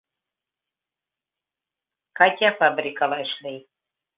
Катя фабрикала эшләй.